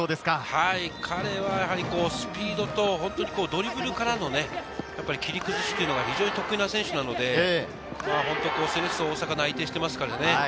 彼はスピードとドリブルからの切り崩しというのが非常に得意な選手なので、セレッソ大阪、内定してますからね。